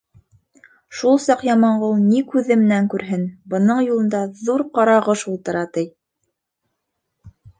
Шул саҡ Яманғол ни күҙе менән күрһен: бының юлында ҙур Ҡарағош ултыра, ти.